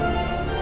ya allah papa